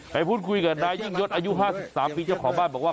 ไปพูดคุยกับนายยิ่งยศอายุ๕๓ปีเจ้าของบ้านบอกว่า